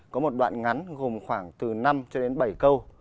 có một đoạn ngắn gồm khoảng từ năm cho đến bảy câu